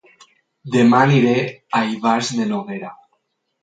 Dema aniré a Ivars de Noguera